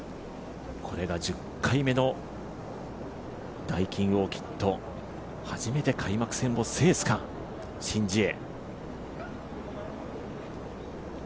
これが１０回目のダイキンオーキッド、初めて開幕戦を制すか、シン・ジエ。